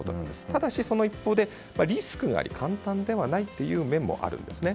ただし、その一方でリスクがあり簡単ではないという面もあるんですね。